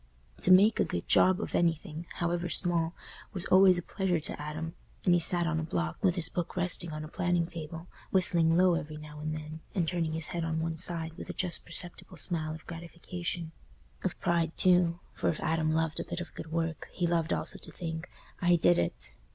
To "make a good job" of anything, however small, was always a pleasure to Adam, and he sat on a block, with his book resting on a planing table, whistling low every now and then and turning his head on one side with a just perceptible smile of gratification—of pride, too, for if Adam loved a bit of good work, he loved also to think, "I did it!"